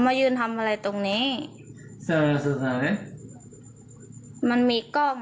มานานยัง